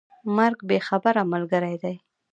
مرګ بې خبره ملګری دی.